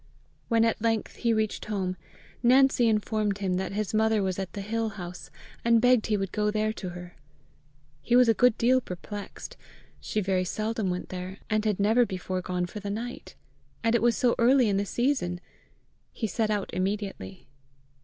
When at length he reached home, Nancy informed him that his mother was at the hill house, and begged he would go there to her. He was a good deal perplexed: she very seldom went there, and had never before gone for the night! and it was so early in the season! He set out immediately.